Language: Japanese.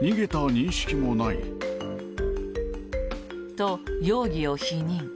と、容疑を否認。